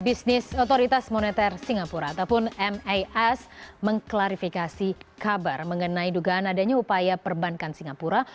bisnis otoritas moneter singapura ataupun mas mengklarifikasi kabar mengenai dugaan adanya upaya perbankan singapura